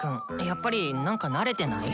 やっぱりなんか慣れてない？